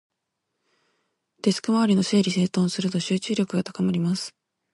デスクの周りを整理整頓すると、集中力が高まります。